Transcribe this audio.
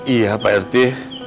iya pak erti